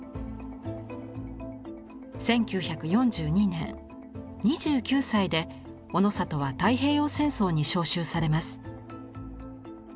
１９４２年２９歳でオノサトは太平洋戦争に召集されます。